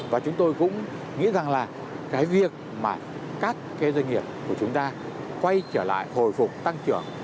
và chúng tôi cũng nghĩ rằng là cái việc mà các cái doanh nghiệp của chúng ta quay trở lại hồi phục tăng trưởng